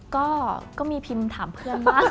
ก็ก็มีพิมพ์ถามเพื่อนมาก